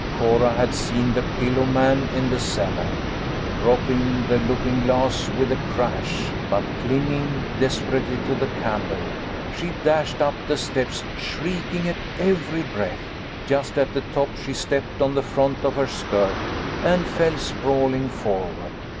Cora had seen the pillow man in the cellar. Dropping the looking glass with a crash, but clinging desperately to the candle, she dashed up the steps shrieking at every breath. Just at the top she stepped on the front of her skirt, and fell sprawling forward.